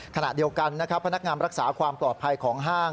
ขณะเดียวกันนะครับพนักงานรักษาความปลอดภัยของห้าง